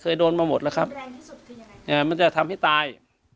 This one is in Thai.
โดนมาหมดแล้วครับมันจะทำให้ตาย